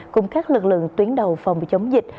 cùng các lực lượng tuyến đầu phòng chống dịch